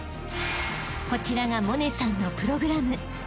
［こちらが百音さんのプログラム］